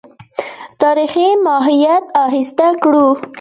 تاریخي ماهیت ایسته کړو.